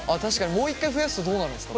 もう一回増やすとどうなるんですか？